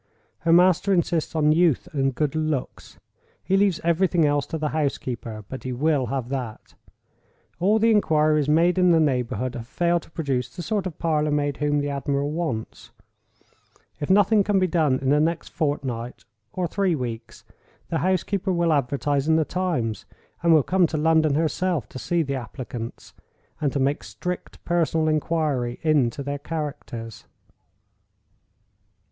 Her master insists on youth and good looks—he leaves everything else to the housekeeper—but he will have that. All the inquiries made in the neighborhood have failed to produce the sort of parlor maid whom the admiral wants. If nothing can be done in the next fortnight or three weeks, the housekeeper will advertise in the Times, and will come to London herself to see the applicants, and to make strict personal inquiry into their characters."